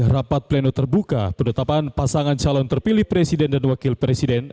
rapat pleno terbuka penetapan pasangan calon terpilih presiden dan wakil presiden